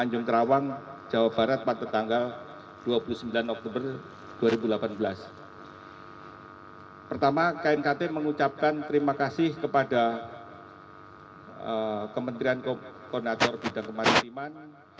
yang pertama ketua kknkt mengucapkan terima kasih kepada kementerian koordinator bidang kemaririman